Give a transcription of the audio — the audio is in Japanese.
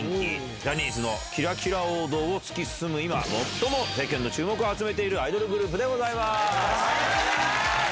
ジャニーズのきらきら王道を突き進む、今、最も世間の注目を集めているアイドルグループでございます。